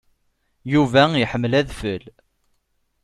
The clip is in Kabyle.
Yuba iḥemmel adfel.